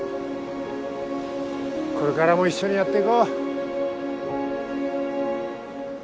これからも一緒にやっていこう。